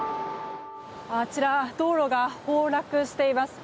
あちら道路が崩落しています。